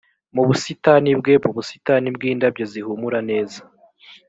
mu busitani bwe mu busitani bw indabyo zihumura neza